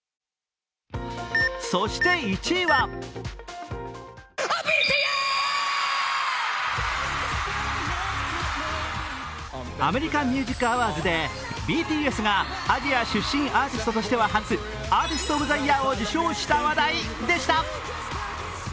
そして１位はアメリカン・ミュージック・アワーズでＢＴＳがアジア出身アーティストとしては初アーティスト・オブ・ザ・イヤーを受賞したでした。